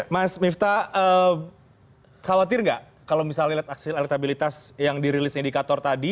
mas miftah khawatir gak kalau misalnya lihat hasil elektabilitas yang dirilisnya di kator tadi